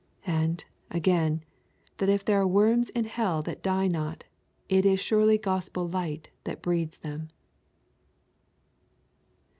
And, again, that if there are worms in hell that die not, it is surely gospel light that breeds them.